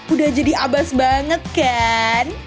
udah jadi abas banget kan